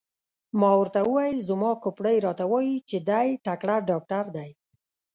ما ورته وویل: زما کوپړۍ راته وایي چې دی تکړه ډاکټر دی.